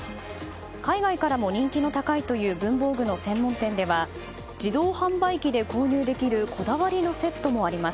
海外からも人気の高いという文房具の専門店では自動販売機で購入できるこだわりのセットもあります。